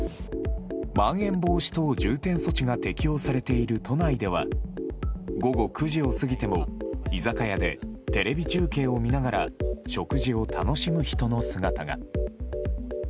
まん延防止等重点措置が適用されている都内では、午後９時を過ぎても居酒屋でテレビ中継を見ながら食事を楽しむ人の姿が。